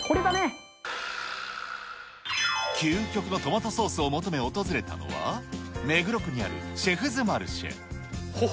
究極のトマトソースを求め訪れたのは、目黒区にあるシェフズマルシェ。